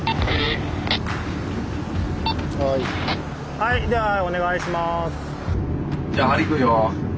はいではお願いします。